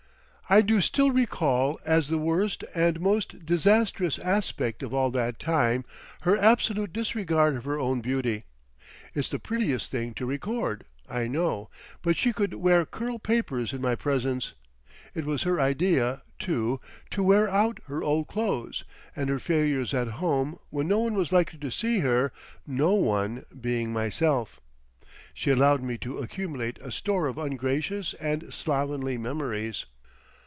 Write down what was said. I do still recall as the worst and most disastrous aspect of all that time, her absolute disregard of her own beauty. It's the pettiest thing to record, I know, but she could wear curl papers in my presence. It was her idea, too, to "wear out" her old clothes and her failures at home when "no one was likely to see her"—"no one" being myself. She allowed me to accumulate a store of ungracious and slovenly memories....